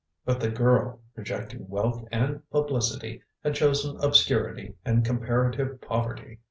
But the girl, rejecting wealth and publicity, had chosen obscurity and comparative poverty.